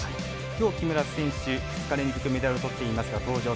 きょう、木村選手２日連続メダルをとっていますが登場。